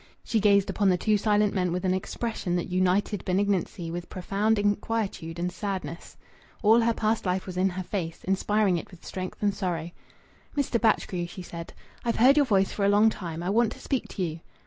She gazed upon the two silent men with an expression that united benignancy with profound inquietude and sadness. All her past life was in her face, inspiring it with strength and sorrow. "Mr. Batchgrew," she said. "I've heard your voice for a long time. I want to speak to you."